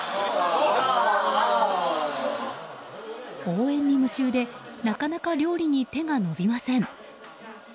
応援に夢中でなかなか料理に手が伸びません。